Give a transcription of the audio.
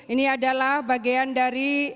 ini adalah bagian dari